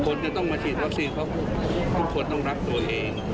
คนจะต้องมาฉีดวัคซีนเพราะทุกคนต้องรักตัวเอง